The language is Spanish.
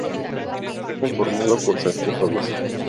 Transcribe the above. Está conformado por sarcófagos.